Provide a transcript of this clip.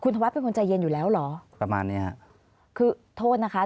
คุณธวัทธ์เป็นคนใจเย็นอยู่แล้วเหรอค่ะคือโทษนะคะ